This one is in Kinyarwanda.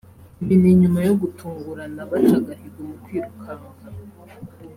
Ibi ni nyuma yo gutungurana baca agahigo mu kwirukanka